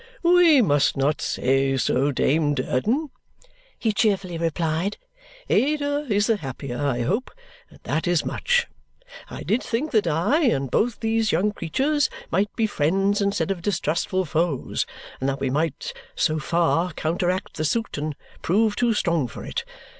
"We must not say so, Dame Durden," he cheerfully replied; "Ada is the happier, I hope, and that is much. I did think that I and both these young creatures might be friends instead of distrustful foes and that we might so far counter act the suit and prove too strong for it.